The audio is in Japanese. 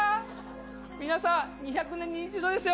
皆さん、２００年に一度ですよ。